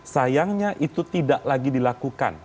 sayangnya itu tidak lagi dilakukan